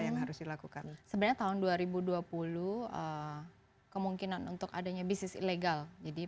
yang harus dilakukan sebenarnya tahun dua ribu dua puluh kemungkinan untuk adanya bisnis ilegal jadi